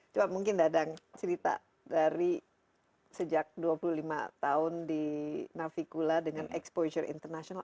coba mungkin dadang cerita dari sejak dua puluh lima tahun di navicula dengan exposure international